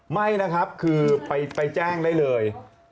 ไม่นะครับคือไปแจ้งได้เลย